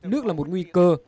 nước là một nguy cơ